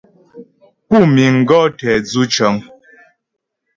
Pú miŋ gɔ̌ tɛ dzʉ cəŋ.